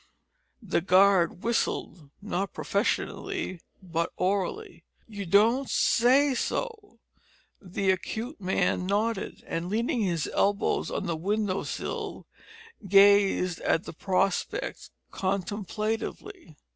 The guard whistled not professionally, but orally. "You don't say so?" The acute man nodded, and, leaning his elbows on the window sill, gazed at the prospect contemplatively.